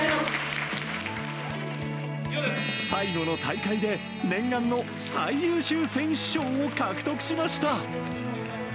最後の大会で、念願の最優秀選手賞を獲得しました。